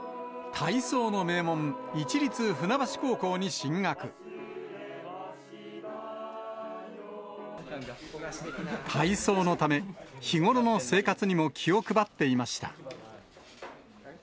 体操のため、日頃の生活にも気を配っていました。